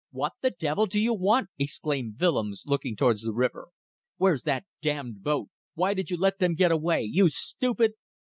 .." "What the devil do you want?" exclaimed Willems, looking towards the river. "Where's that damned boat? Why did you let them go away? You stupid!"